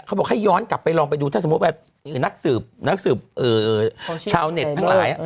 บอกให้ย้อนกลับไปลองไปดูถ้าสมมุติว่านักสืบชาวเน็ตทั้งหลาย